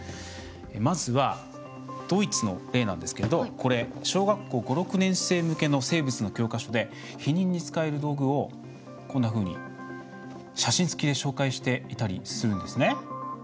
まずは、ドイツの例なんですけどこれ、小学校５６年生向けの生物の教科書で避妊に使われる道具をこんなふうに写真付きで紹介していたりするんですね。